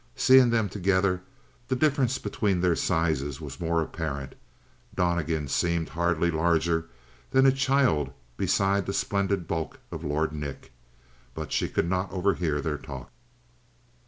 Seeing them together, the difference between their sizes was more apparent: Donnegan seemed hardly larger than a child beside the splendid bulk of Lord Nick. But she could not overhear their talk.